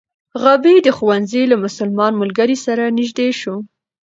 غابي د ښوونځي له مسلمان ملګري سره نژدې شو.